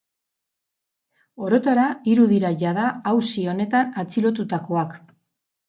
Orotara hiru dira jada auzi honetan atxilotutakoak.